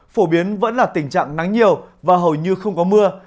phổ biến vẫn là tình trạng nắng nhiều và hầu như không có mưa